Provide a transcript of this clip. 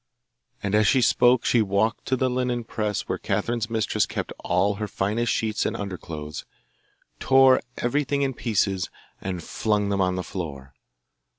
And as she spoke she walked to the linen press where Catherine's mistress kept all her finest sheets and underclothes, tore everything in pieces, and flung them on the floor.